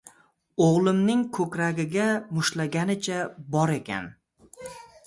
— O‘g‘limning ko‘kragiga mushtlaganicha bor ekan".